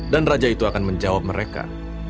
dan raja itu akan menjawab mereka